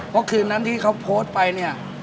เพราะคืนนั้นที่เขาโพสต์ไปเนี่ย